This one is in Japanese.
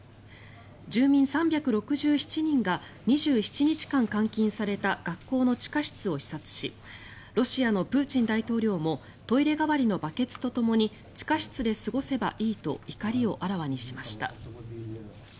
住民３６７人が２７日間監禁された学校の地下室を視察しロシアのプーチン大統領もトイレ代わりのバケツとともに地下室で過ごせばいいと怒りをあらわにしました。